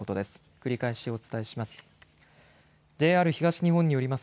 繰り返しお伝えします。